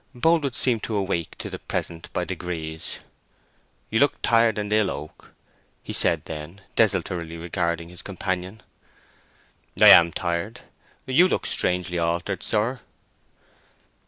Boldwood seemed to awake to the present by degrees. "You look tired and ill, Oak," he said then, desultorily regarding his companion. "I am tired. You look strangely altered, sir."